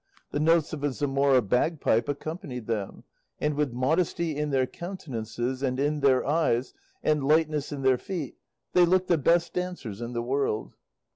The notes of a Zamora bagpipe accompanied them, and with modesty in their countenances and in their eyes, and lightness in their feet, they looked the best dancers in the world.